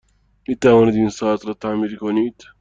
می توانید این ساعت را تعمیر کنید؟